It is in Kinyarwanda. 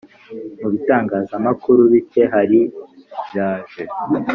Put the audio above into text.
mu bitangazamakuru bike hari byaje